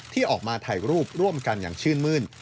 ที่ออกมาถ่ายรูปร่วมกันอย่างชื่นมื้น